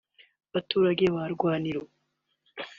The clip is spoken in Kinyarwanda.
“Baturage ba Rwaniro